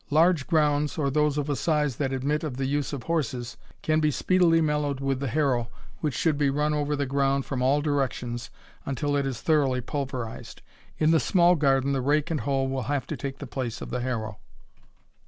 Large grounds, or those of a size that admit of the use of horses, can be speedily mellowed with the harrow, which should be run over the ground from all directions until it is thoroughly pulverized. In the small garden the rake and hoe will have to take the place of the harrow.